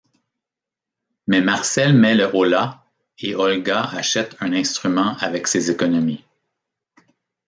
Mais Marcel met le holà et Olga achète un instrument avec ses économies.